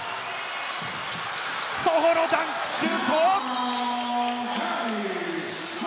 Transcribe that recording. ソホのダンクシュート！